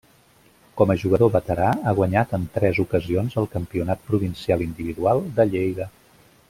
Com a jugador veterà ha guanyat en tres ocasions el Campionat Provincial Individual de Lleida.